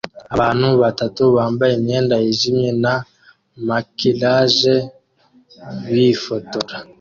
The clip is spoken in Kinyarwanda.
Abantu batatu bambaye imyenda yijimye na maquillage bifotora